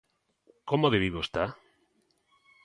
Como de vivo está?